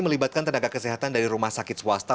melibatkan tenaga kesehatan dari rumah sakit swasta